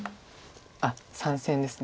あっ３線です。